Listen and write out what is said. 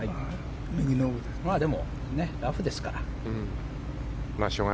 でも、ラフですから。